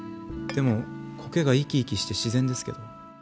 でも苔が生き生きして自然ですけど。